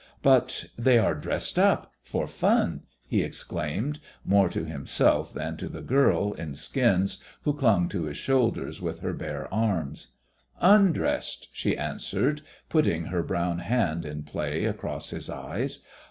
"But they are dressed up for fun," he exclaimed, more to himself than to the girl in skins who clung to his shoulders with her naked arms. "_Un_dressed!" she answered, putting her brown hand in play across his eyes.